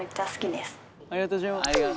ありがとうございます。